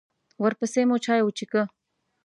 ورپسې مو چای وڅښه.